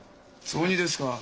雑煮ですか？